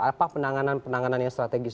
apa penanganan penanganan yang strategis